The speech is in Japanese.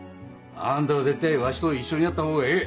あんたは絶対わしと一緒にやったほうがええ！